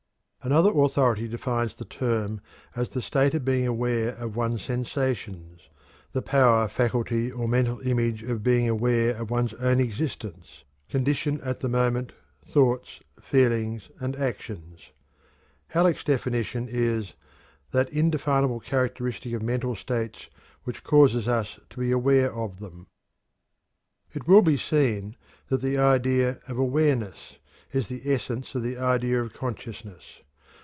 Another authority defines the term as "the state of being aware of one's sensations; the power, faculty, or mental state of being aware of one's own existence, condition at the moment, thoughts, feelings, and actions." Halleck's definition is: "That indefinable characteristic of mental states which causes us to be aware of them." It will be seen that the idea of "awareness" is the essence of the idea of consciousness.